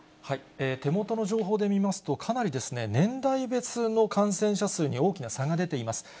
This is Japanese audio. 手元の情報で見ますと、かなりですね、年代別の感染者数に大きな差が出ています。